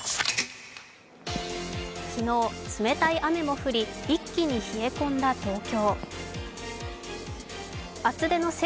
昨日、冷たい雨も降り一気に冷え込んだ東京。